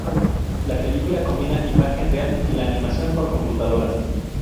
La película combina imagen real y la animación por computadora.